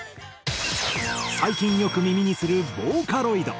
最近よく耳にするボーカロイド。